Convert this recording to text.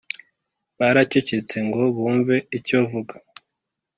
baracecetse ngo bumve icyo avuga